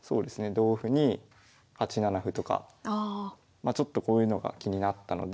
同歩に８七歩とかちょっとこういうのが気になったので。